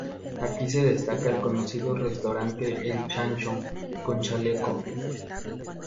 Aquí se destaca el conocido restaurante El Chancho con Chaleco.